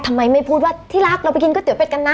ทำไมไม่พูดว่าที่รักเราไปกินก๋วเป็ดกันนะ